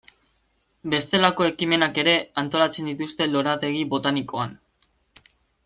Bestelako ekimenak ere antolatzen dituzte lorategi botanikoan.